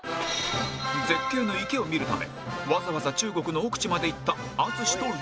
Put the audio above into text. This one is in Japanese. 絶景の池を見るためわざわざ中国の奥地まで行った淳と亮